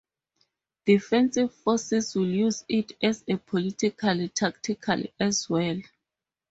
Defensive forces will use it as a political tactic as well.